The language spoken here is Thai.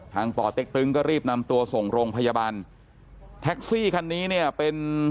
ป่อเต็กตึงก็รีบนำตัวส่งโรงพยาบาลแท็กซี่คันนี้เนี่ยเป็น